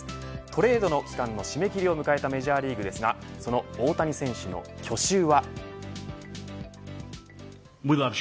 トレードの期間の締め切りを迎えたメジャーリーグですがその大谷選手の去就は。